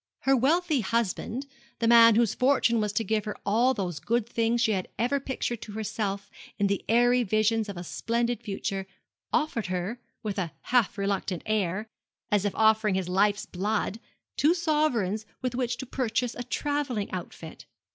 Her wealthy husband the man whose fortune was to give her all those good things she had ever pictured to herself in the airy visions of a splendid future offered her, with a half reluctant air, as if offering his life's blood, two sovereigns with which to purchase a travelling outfit.